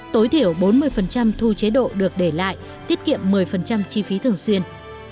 tối thiểu bốn mươi thu chế độ được để lại tiết kiệm một mươi chi phí thường xuyên